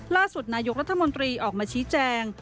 ล่าสุดนายกรัฐมนตรีออกมาชี้แจง